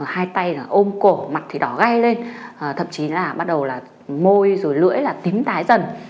hai tay là ôm cổ mặt thì đỏ gay lên thậm chí là bắt đầu là môi rồi lưỡi là tím tái dần